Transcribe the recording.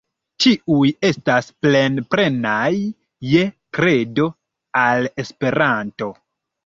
Ĉiuj estas plen-plenaj je kredo al Esperanto.